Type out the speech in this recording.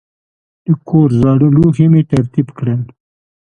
د کور زاړه لوښي مې ترتیب کړل.